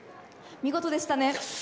見事でしたね。